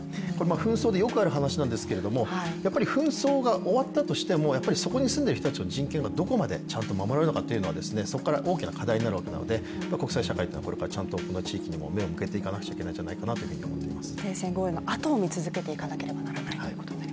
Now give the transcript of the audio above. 紛争でよくある話なんですけれども紛争が終わったとしてもそこに住んでいる人の人権がどこまで守られるかというのがそこから大きな課題になる訳なので、国際社会がこれからちゃんとこの地域にも目を向けていかなければいけないと思います。